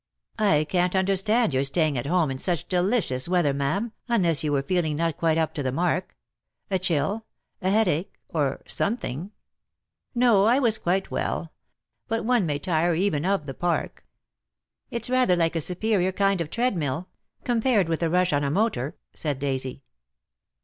"I can't understand your staying at home in such delicious weather, ma'am, unless you were feel ing not quite up to the mark — a chill — a headache — or something." ■_■ V .','.'.'':.■._ "No, I was quite well. But one may tire even of the Park." "It's rather like a superior kind of treadmill — compared with a rush on a motor," said Daisy.